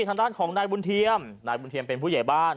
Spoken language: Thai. ทางด้านของนายบุญเทียมนายบุญเทียมเป็นผู้ใหญ่บ้าน